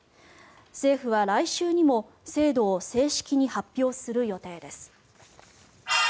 政府は来週にも制度を正式に発表する予定です。